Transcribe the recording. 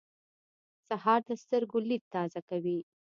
سهار د سترګو لید تازه کوي.